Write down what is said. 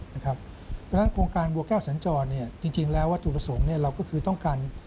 เพราะฉะนั้นโครงการบัวแก้วสัญจรจริงแล้ววัตถุประสงค์เราก็คือต้องการ